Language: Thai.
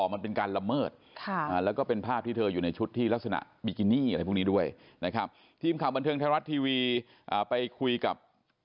มันเป็นการละเมิดแล้วก็เป็นภาพที่เธออยู่ในชุดที่ลักษณะบิกินี่อะไรพวกนี้ด้วยนะครับ